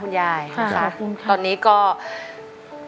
คุณยายแดงคะทำไมต้องซื้อลำโพงและเครื่องเสียง